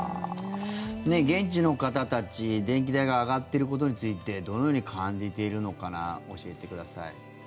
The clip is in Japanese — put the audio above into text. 現地の方たち電気代が上がってることについてどのように感じているのかな教えてください。